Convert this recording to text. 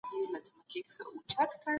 پوستکي حجرې خوشې کېږي.